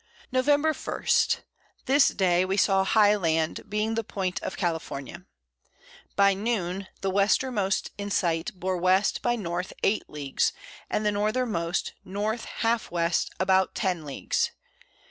Nov. 1. This Day we saw high Land, being the Point of California. By Noon the Westermost in sight bore W. by N. 8 Leagues, and the Northermost N. half W. about 10 Leagues.